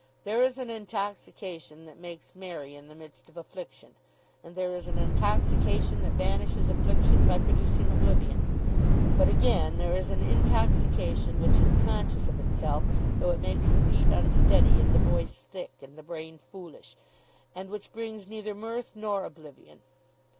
There is an intoxication that makes merry in the midst of affliction; and there is an intoxication that banishes affliction by producing oblivion. But again there is an intoxication which is conscious of itself though it makes the feet unsteady, and the voice thick, and the brain foolish; and which brings neither mirth nor oblivion.